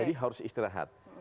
jadi harus istirahat